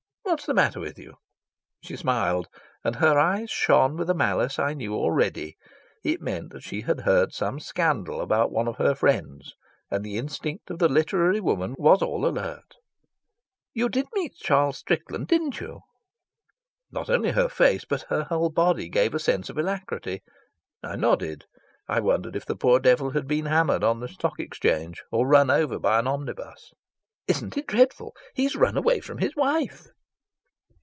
"What's the matter with you?" She smiled, and her eyes shone with a malice I knew already. It meant that she had heard some scandal about one of her friends, and the instinct of the literary woman was all alert. "You did meet Charles Strickland, didn't you?" Not only her face, but her whole body, gave a sense of alacrity. I nodded. I wondered if the poor devil had been hammered on the Stock Exchange or run over by an omnibus. "Isn't it dreadful? He's run away from his wife."